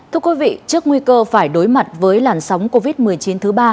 thưa quý vị trước nguy cơ phải đối mặt với làn sóng covid một mươi chín thứ ba